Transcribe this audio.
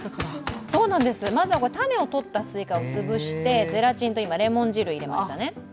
まずは種をとったスイカを潰してゼラチンと今、レモン汁を入れましたね。